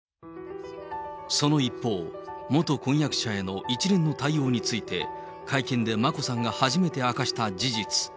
その一方、元婚約者への一連の対応について、会見で眞子さんが初めて明かした事実。